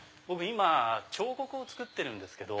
今彫刻を作ってるんですけど。